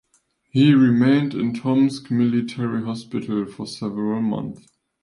He remained in Tomsk military hospital for several months.